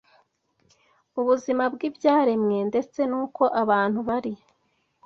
ubwiza bw’ibyaremwe ndetse n’uko abantu bari